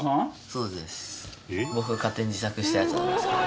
そうです。